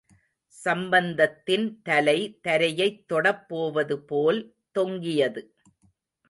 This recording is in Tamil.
சம்பந்தத்தின் தலை, தரையைத் தொடப்போதுவது போல் தொங்கியது.